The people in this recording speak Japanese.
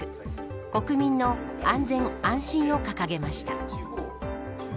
国民の安全、安心を掲げました。